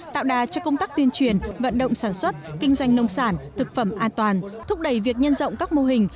tạo đà cho công tác tuyên truyền vận động sản xuất kinh doanh nông sản thực phẩm an toàn thúc đẩy việc nhân rộng các mô hình